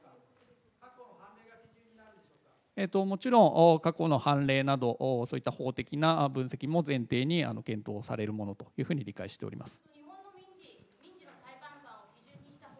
もちろん過去の判例など、そういった法的な分析も前提に検討されるものと理解をしております。